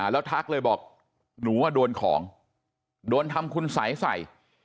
แล้วทักเลยบอกหนูว่าโดนของโดนทำคุณสัยใส่